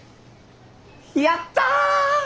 やったぁ！